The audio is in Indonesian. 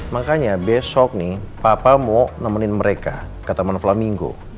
makanya besok nih papa mau nemenin mereka ke taman flaminggo